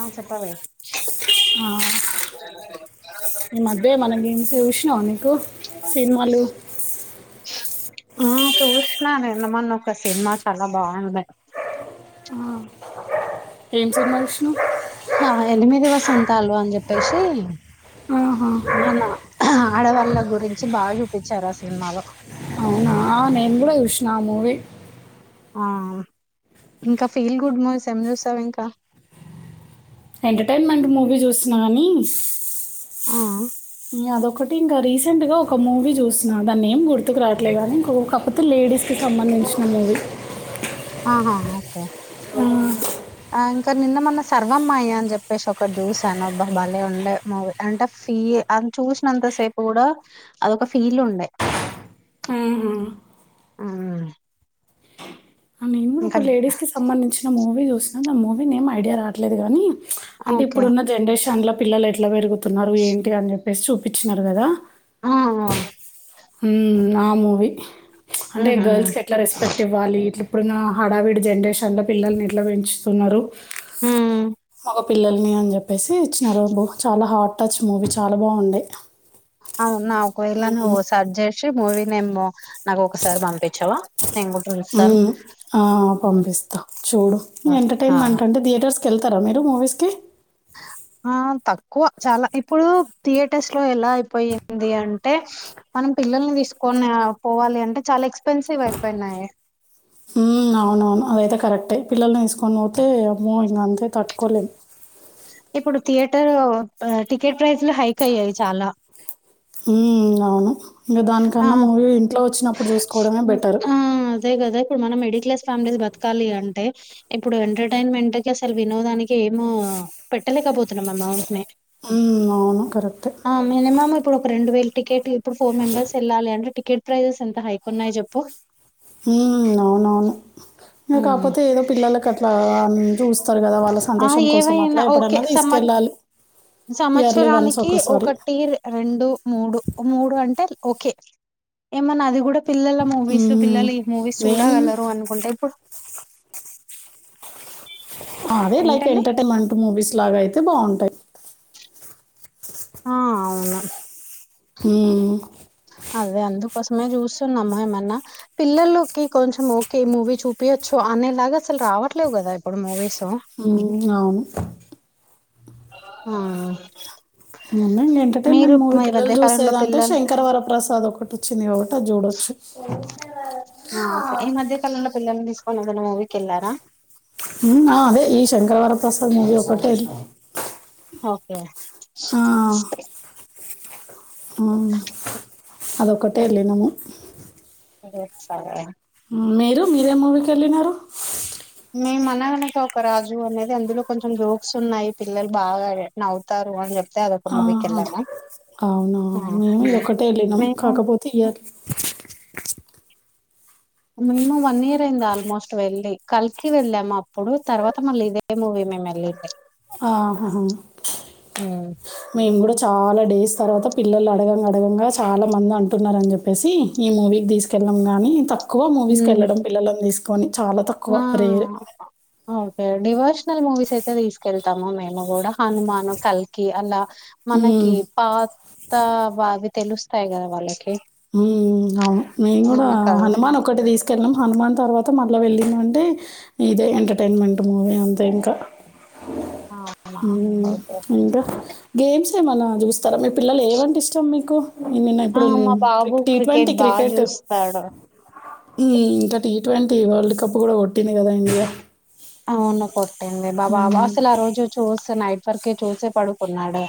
ఆ చెప్పావే ఆ నే మధ్య మన గేమ్స్ చూసినావు నీకు సినిమాలు ఆ చూసినాను నిన్నమన్నా ఒక సినిమా చాలా బాగుండ ఏం సినిమా చూసావు ఆ ఎనిమిది వసంతాలు అని చెప్పేసి ఆహా, నానా ఆడవాళ్ళ గురించి బాగా చూపించారు ఆ సినిమాలో నానును కూడా కూడా విష్ నా మూవీ ఆ ఇంకా ఫీల్ గుడ్ మూవీస్ ఏం చూస్తావు ఇంకా ఎంటర్టైన్మెంట్ మూవీ చూస్తున్నా కాని ఆ న అదొకటి ఇంకా రీసెంట్గా ఒక మూవీ చూస్తున్నాను దాన్ని ఏం గుర్తుకు రావట్లేదు కానీ ఇంకొ కాకపోతే లేడీస్కి సంబంధించిన మూవీ ఆహా అఓకే ఆ ఇంకా నిన్న మొ సర్వమ్మాయ అని చెప్పేసి ఒక చూసానుబ్బా భలే ఉండే మూవీ అంటే ఫీ అ చూసినంత సేపు కూడా అదొక ఫీల్ ఉండే ఇంకా ఒక లేడీస్ కి సంబంధించిన మూవీస్ చు చూస్తు ఆ మూవీని ఏం ఐడియా రావట్లేదు కానీ అంటే ఓకే ఇప్పుడున్న జనరేషన్ లో పిలలు ఎట్లా పెరుగు న్నారు ఏంటి అని చెప్పి రెస్ చూపించినారు కదా ఆ ఉ నా మూవి అంటే ఉహు గర్ల్స్ కి ఎట్లా రెస్పెక్ట్ ఇవ్వాలి ఇట్లు ఇప్పుడున్న హడావిడి జనరేషన్లో పిల్లల్ని నివ పెంచుతున్నారు ఉమ్ ఒక పిల్లల్ని అని చెప్పేసి ఇచ్చినారు చాలా హాట్ టచ్ మూవీ చాలా బాగుండే అవునా ఒకవేళ నువ్వు సెర్చ్ పే మూవ నేమ్మ చూస్తాను ఆ హ్మ్. పంపిస్తా చూడు ఓస్ ఆ ఎంటర్టైన్మెంట్ అంటే థియేటర్స్ క వెళ్తారా మీరు మూవీస్ కి ఆ తక్కువ చాలా ఇప్పుడు థియేటర్స్ లో ఎలా అయిపోయింది అంటే మనం పిల్లల్ని తీసుకొని పోవాలి అంటే చాలా ఎక్స్ హ అవునువును అవి ఇతే కరెక్ట అ పిల్లని తీసుకొని పోతే అమ్మో ఇంక అంతే తట్టుకోలేము ఇప్పుడు థియేటర్ టికెట్ ప్రైస్ లో హైక్ అయ్యాయి చాలా హ అవును ఇంకా ఆ దానికన్నా మూవీ ఇంట్లో వచ్చినప్పుడు చూసుకోవడమే హ్మ్. బెటర్ ఆ అదే కదా ఇప్పుడు మనం మిడిల్ క్లాస్ ఫ్యామిలీస్ బతకాలి అంటే, ఇప్పుడు ఎంటర్టైన్మెంట్ కి అసలు వినోదానికి ఏమో పెట్టలేకపోతున్నాం అమౌంట్ని. హ్మ్. అవును. కరెక్టే. ఆ మినిమం ఇప్పుడు ఒక రెండు వేలు టికెట్ ఫోర్ ఫోర్ మెంబర్స్ లి అంటే టికెట్ ప్రైసెస్ ఎంత హైకు ఉన్నాయి చెప్పు ఉమ్, అవునవును ఇంకా ఉమ్ కాకపోతే ఏదో పిల్లలకి అట్లా ఉమ్, చూస్తారు కదా వాళ్ళ ఆ సంతోషం కోసం అట్లా ఏవైనా ఓకే ఎప్పుడన్నా సంవత్ తీసుకెళ్ళాలి ఇయర్లీ వన్స్ సంవత్సరానికి ఒకసారి ఒకటి రెండు మూడు మూడు అంటే ఓకే ఏమన్ అది కూడా పిల్లల మూవీస్ ఉమ్, పిల్లలు ఈ మూవీస్ నేను చూడగలరు అనుకుంటే ఇప్పుడు అదే లైక్ ఏంటండి ఎంటర్టైన్మెంట్ మూవీస్ లాగా అయితే బాగుంటాయ్ ఆ అవును ఉమ్ అదే అందుకోసమే చూస్తున్నాము. ఏమన్నా పిల్లలకి కొంచెం ఓకే మూవీ చూపియొచ్చు. అనేలాగా అసలు రావట్లేవు కదా ఇప్పుడు మూవీస్. ఉమ్, అవును ఆ ముందు ఇంక ఎంటర్టైన్మెంట్ మూవీ పిల్లలు మధ్య కాలంలో చూసేదాంట్లో పిల్లలు శంకర ప్ర్రసాద్ ఒకటి ఇచ్చనిఒ జోడచ్చు ఎవరన్నా మూవికెళ్లారా ఉమ్ ఆ అదే ఈ శంకరవర ప్రసాద్ మూవీ ఒకటే ఇలా ఓకే ఆ అదొక్కటే వెళ్లినము [unintelligible] మీరు మీరేం మూవీకి వెళ్ళినారు మే అనగనగ ఒక రాజు అనేది అందులో కొంచెం జోక్స్ ఉన్నాయి. పిల్లలు బాగా నవతారు అని చెప్ ఆహా అవునా ఆ మేము ఇదొక్కటే వెళ్ళినం మేము కాకపోతే ఇయ్యాలి మినిమం వన్ ఇయర్ అయింది. ఆల్మోస్ట్ వెళ్ళి కల్కి వెళ్ళాము అప్పుడు తర్వాత మళ్ళీ ఇదే మూవీ మేము వెళ్ళింది. ఆహాహా ఉమ్ మేము కూడా చాలా డేస్ తర్వాత పిల్లలు అడగంగా అడగంగా చాలా మంది అంటున్నరని చెప్పేసి ఈ మూవీకి తీసుకెళ్ళం కానీ తప్ ఎక్కువ మూవీస్ కి వెళ్లడం పిల్లలని తీస్ కొన్ని చాలా తక్కువ ఆ రేర్ ఓకే డివోషనల్ మూవీస్ అయితే తీసుకెళ్తాము. మేము కూడా హనుమాను కల్కి ఇలా హ్మ్. మనకి పాత బావిద్ తెలుస్తాయి కదా వాళ్ళకి ఉ అవును మేము కూడా మన కల్స్ హనుమాన్ ఒక్కటి తీసుకెళ్ళం హనుమాన్ తర్వాత మొత్త మళ్ళీ వెళ్ళిందంటే ఇదే ఎంటర్టైన్మెంట్ మూవీ అంతే ఇంకా అవునా ఓకే ఇంకా గేమ్స్ ఏ మన తరా మీ పిల్లలు ఏవంటే ఇష్టం మీకు నిన్న ఆ ఇప్పుడు మా బాబు టీ క్రికెట్ ట్వంటీ బాగా చూస్తాడు ఇంకా టీ ట్వంటీ వరల్డ్ కప్ కూడా కొట్టింది కదా ఇండియా అవును కొట్టింది బాబా మ్మ్. అసలు ఆ రోజు చూస్తు నైట్ పరికే చూసే పడుకున్నాడు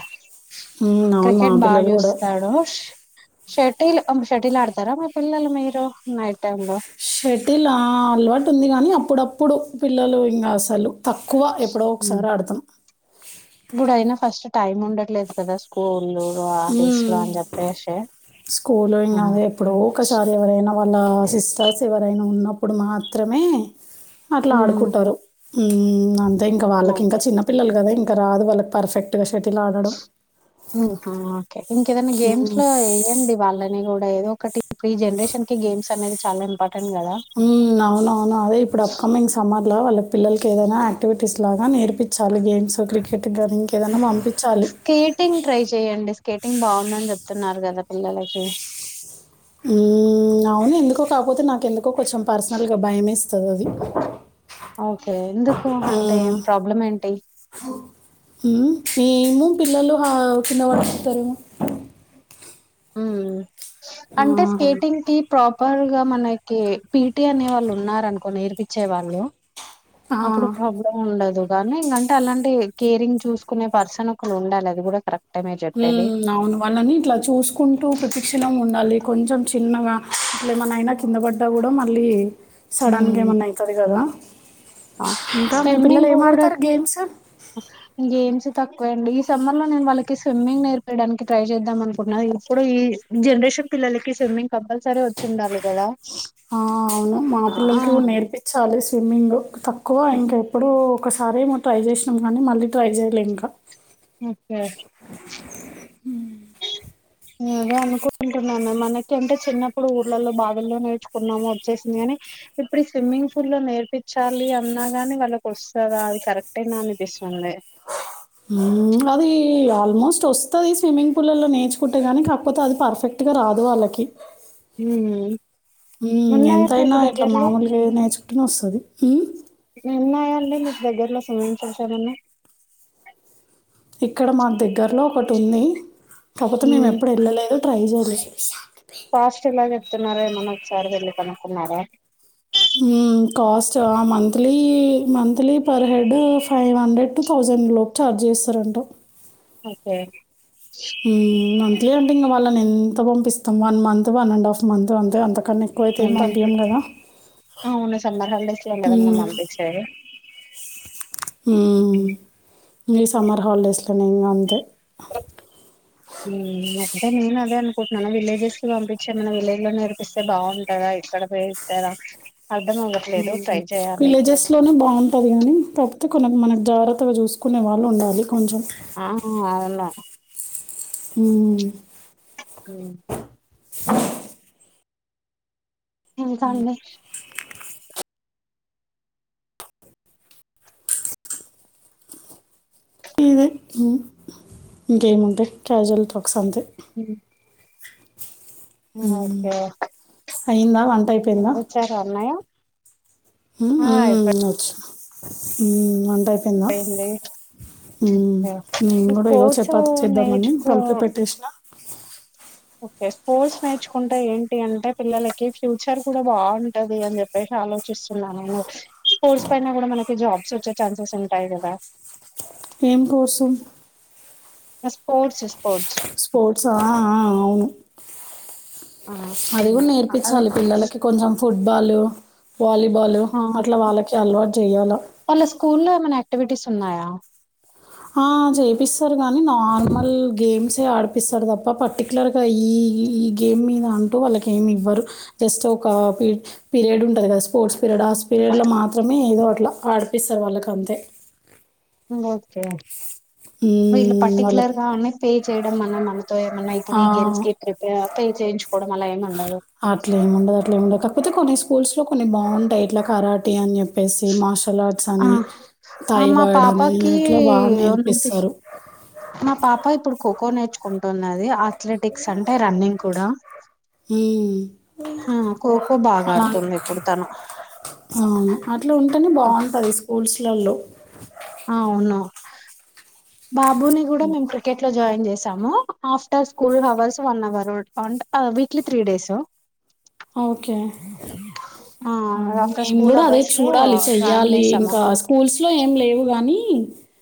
మ్మ్, అవును మా క్రికెట్ బా పిల్లలు కూడా చూస్తాడు షటిల్ షటిల్ ఆడతారా మ పిల్లలు మీరు నైట్ టైమ్ లో షటిల్ ఆ అలవాటు ఉంది కానీ అప్పుడప్పుడు ఇప్పుడు పిల్లలు ఇంకా అసలు తక్కువ ఎప్పుడో ఒకసారి అడతాం ఇప్పుడుయినా ఫస్ట్ టైమ్ ఉండట్లేదు కదా స్కూల్ ఉ స్కూల్ ఆ! ఇనావ ఎప్పుడు ఒకసారి ఎవరైనా వాళ్ళ సిస్టర్స్ ఎవరైనా ఉన్నప్పుడు మాత్రమే అట్లా హ్మ్. ఆడుకుంటారు ఉ అ ఇంకా వాళ్ళకింకా ఓకే చిన్న పిల్లలు కదా ఇకా రాదు వాళ్ళకి పర్ఫెక్ట్ షటిల్ ఆడడు హుహు. ఇంకేదైనా గేమ్స్ లో వేయండి వాళ్ళని కూడా ఏదో ఒకటి ప్రీ జనరేషన్ కి గేమ్స్ అనేది చాలా ఇంపార్టెట్ ఉ అవున అవును అదే ఇప్పుడు అప్కమింగ్ సమ్మర్ లో వాళ్ళ పిల్లలకి ఏదైనాక్టివిటీస్ లాగా నేర్పించాలి గేమ్స్ క్రికెట్ గాని ఇంకేదైనా పంపించాలి. స్కేటింగ్ ట్రై చెయడి స్కేటింగ్ బాగుందని చెప్ వస్తున్నారు కదా పిల్లలకి అవును ఎందుకో కాకపోతే నాకు ఎందుకో కొంచెం పర్సనల్గా భయమే ఇస్తుంది అది ఓకే ఎందుకు అంటే ప్రాబ్లం ఏంటి హ్మ్. ఏమో పిల్లలు ఆ కింద పడుకుంటారు ఉమ్ అంటే ఆ! స్కేటింగ్ కి ప్రాపర్ గా మనకి పీటీ అనే వాళ్ళు ఉన్నారు అనుకో నేర్పించే వాళ్ళు ఆ! అప్పుడు ప్రాబ్లం ఉండదు కానీ అంటే అలాంటి కేరింగ్ చూసుకునే పర్సన్ ఒక ఉండాలి అది కూడా కరెక్ట్ ఉ అవును వాళ్ళని ఇట్లా చూసుకుంట అంటూ ప్రతిక్షణ ఉండాలి కొంచెం చిన్నగా అట్లు ఏమనైనా కింద పడ్డా కూడా మళ్ళీ సడన్ గా ఉమ్ ఏమన్నా ఐతది గద స్విమ్మింగ్ కూడా గేమ్స్? గేమ్స్ తక్కువ అండి ఈ సమ్మర్ లో నేను వాళ్ళకి స్విమ్మింగ్ నేర్పయడానికి ట్రై చేద్దాం అనుకున్నా ఇప్పుడు ఈ జనరేషన్ పిల్లలకి స్విమ్మింగ్ కంపల్సరీ వచ్చి ఉండాలి కదా ఆ అవును మా ఆ పిల్లలకి కూడా నేర్పించాలి స్విమ్మింగ్ తక్కువ ఇంక ఎప్పుడూ- ఒకసారిమో ట్రై చేసినాం కానీ మళ్ళీ ట్రై చేయలే ఇంకా [inaudible] ున్నా మనకి అంటే చిన్నప్పుడు ఊర్లలో బావుల్లో నేర్చుకున్నాము వచ్చేసింది కాని ఇప్పుడు స్విమ్మింగ్ పూల్లో నేర్పించాలి అన్నా గాని వాళ్ళకి వస్తదా కరెక్ట్ అయినా అనిపిస్తుంది ఊమ్ అది ఆల్మోస్ట్ వస్తది స్విమ్మింగ్ పూలల్ల్లో నేర్చుకుంటే కాగాని కాకపోతే అది పర్ఫెక్ట్ గా రాదు వాళ్ళకి హ్మ్. హుమ్ ఉన్నాయా ఎంతయినా మీకు ఇట్లా దగ్గరలో మామూలుగా ఏ నేర్చుకుంటేనే వస్తది హూ ఉన్నాయా అండి మీకు దగ్గరలో స్విమ్మింగ్పూల్స్ ఎం ఉన్నాయి ఇక్కడ మా దగ్గరలో ఒకటి ఉంది కాకపోతే మేము ఎప్పుడు వెళ్ళలేదు ప్రైజోలుసి ఫస్ట్ ఎలాగతే తున్నారా మన ఒకసారి వెళ్ళి కనుక్తున్నారా హుమ్ cost monthly monthly per head five hundred two thousand లోపు ఛార్జ్ చేస్తారంట ఓకే హుమ్ మంత్లీ అంట ఇంకా వాళ్ళకి ఉమ్ ఎంత పంపిస్తాం one month one and half month అంతే అంత ముందు ఉన్న సమ్మర్ హాలిడేస్లోనే కదా మనం మ్మ్. పంపించేది ఉమ్ ఇ సమ్మర్ హాలిడేస్లో న ఇ అంతే [inaudible] అంటే నేను అదే అనుకుంటున్నా విలేజెస్ కి పంపించి మన విలేజ్ లో నేర్పిస్తే బాగుంటందా ఇక్కడ నేర్పిస్తారా విలేజెస్ లోనే బాగుంటది గాని తప్ప అ కొ మనకు జాగ్రత్తగా చూసుకునే వాళ్ళు ఉండాలి కొంచెం [inaudible] హ హ ఇ చడి ఉమ్ గేమ్ ఉంటే క్యాజువల్ క్స్ అంతే ఓకే అయింద వన్ వచార అన్నాయ అచ్చా ఉ అంతా ఉందా అయిపోయింది మేము కూడా ఏదో స్పోర్ట్స్ చపాతి చేద్దామని నేర్చుకో కలిపి పెట్టేసిన ఓకే స్పోర్ట్స్ నేర్చుకుంటే ఏంటి అంటే పిల్లలకి ఫ్యూచర్ కూడా బాగుంటది అని చెప్పేసి ఆలోచిస్తున్నా నేను స్పోర్ట్స్ పైన కూడా మనకి జాబ్స్ వచ్చే ఛాన్సెస్ ఉంటాయి కదా ఏం కోసం స్పోర్ట్స్ స్పోర్ట్స్ స్పోర్ట్స్ అవును అది కూడా అదే నేర్పించాలి పిల్లలకి కొంచెం ఫుట్బాలు వాలీబాల్ ఆ అట్లా వాళ్ళకి చాల చేయన వాళ్ళ స్కూల్లో ఏమైనా యాక్టివిటీస్ ఉన్నాయా ఆ చేపిస్తారు కానీ నార్మల్ గేమ్సే ఆడిపిస్తారు తప్ప పర్టికులర్గా ఈ ఈ గేమ్ మీద అంటూ వాళ్ళకి ఏమి ఇవ్వరు. జస్ట్ ఒక పి పీరియడ్ ఉంటది కదా స్పోర్ట్స్ పీరియడ్ ఆస్ పీరియడ్లో మాత్రమే ఏదో అట్లా ఆడిపిస్తారు వాళ్ళకి అంతే ఓకే వీళ్ళ హ్మ్. వాళ్ళకి పర్టికులర్ గా అన్న పే చేయడం మన మనతో ఏమన్నా ఇప్పుడు ఆ! ఈ గేమ్స్ గ ప్రిప పే చేయించుకోవడం అలా ఏమండవు అట్లేముండదు, అట్లేముండదు. కాకపోతే కొన్ని స్కూల్స్ లో కొన్ని బాగుంటాయి ఇట్లా కరాటి అని చెప్పి పేసి మార్షల్ ఆర్ట్ అ ఆ ఆ మా తైవాడ్ అని పాపకి ఇట్లా బాగా నేర్ ఉంది ఇస్తారు మా పాప ఇప్పుడు కోకో నేర్చుకుంటున్నది అది మ్మ్ ఆ ఖోఖో బాగా మ్మ్ ఆడుతుంది ఇప్పుడు తను అవును అట్లా ఉంటేనే బాగుంటది స్కు స్కూల్స్లలో ఆ అవును బాబుని కూడా మేము క్రికెట్ లో జాయిన్ చేసాం చేసాము after school hours one hour weekly three days okay ఆ అవును ఆఫ్టర్ మేము స్కూల్ కూడా అదే అవర్స్ లో చూడాలి జాయిన్ చెయ్యాలి చేసాము ఇంకా స్కూల్స్ లో ఏం లేవు గాని,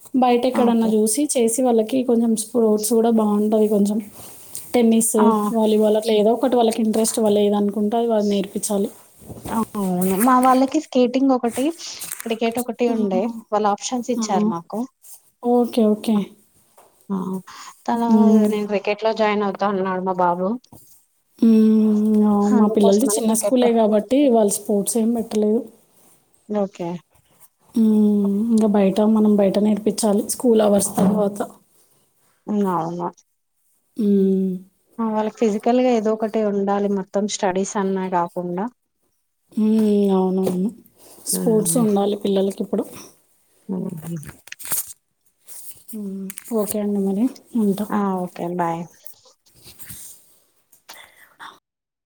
తీ బయట ఎక్కడన్నా ఓకే. చూసి చేసి వాళ్ళకి కొంచెం స్ప్రౌట్స్ కూడా బాగుంటాయి కొంచెం టెన్నిసు ఆ! వాలీబాల్ అట్ల ఏదో ఒక్ ఒకటి వాళ్కి ఇంట్రెస్ట్ వాళ్లు ఏదనుక్ ఉంటాది వాది నేర్పించాలి అవును మా వాళ్ళకి స్కేటింగ్ ఒకటి ఇప్పటికేట ఒకటి ఉండే హ్మ్. వాళ్ళు ఆప్షన్స్ ఆ! ఇచ్చారు మాకు ఓకే. ఓకే. ఆ తను హ్మ్. నేను క్రికెట్ లో జాయిన్ అవుత అన్నాడు మా బాబు మ్మ్ అవు మా పిల్లలది అందుకోసమని చిన్న క్రికెట్‌లో స్కూలే కాబట్ ట్టి వాళ్ళ స్పోర్ట్స్ ఏం పెట్టలేదు ఓకే మ్మ్ ఇంకా బయట మనం బయట నేర్పిచ్చలి స్కూల్ అవర్స్ తర్వాత ఉన్న ఉన్న మ్మ్ ఆ వాళ్ళకి ఫిజికల్గా ఏదో ఒకటి ఉండాలి మొత్తం స్టడీస్ అన్నా కాకుండా హ్మ్ అవునవును స్పోర్ట్స్ హ్మ్. ఉండాలి పిల్లలకి ఇప్పుడు హ్మ్. హ్మ్ ఓకే అండి మరి ఉంటా. ఆ ఓకే బాయ్